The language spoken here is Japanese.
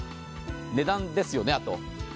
値段ですよね、あと。